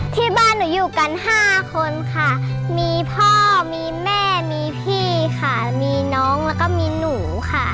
ที่บ้านหนูอยู่กัน๕คนค่ะมีพ่อมีแม่มีพี่ค่ะมีน้องแล้วก็มีหนูค่ะ